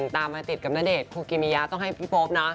ตามมาติดกับณเดชนคุกิมิยะต้องให้พี่โป๊ปนะ